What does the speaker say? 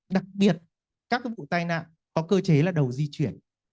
đặc biệt các vụ tai nạn có cơ chế là đầu di chuyển